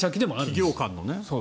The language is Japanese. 企業間のね。